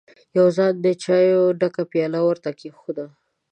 يوه ځوان د چايو ډکه پياله ور ته کېښوده.